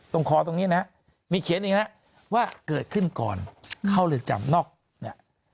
คอตรงนี้นะมีเขียนอีกนะว่าเกิดขึ้นก่อนเข้าเรือนจำนอกเนี่ย